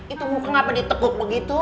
itu muka ngapa ditekuk begitu